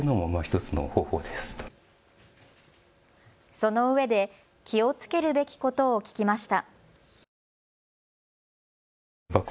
そのうえで気をつけるべきことを聞きました。